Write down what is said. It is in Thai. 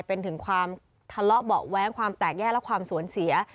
เป็นถึงความทะเลาะเบาะแว้งความแตกแยกและความสูญเสีย